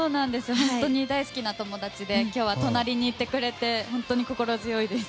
本当に大好きな友達で今日は隣にいてくれて本当に心強いです。